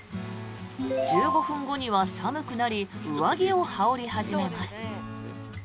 １５分後には寒くなり上着を羽織り始めます。